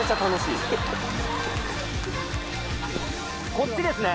こっちですね？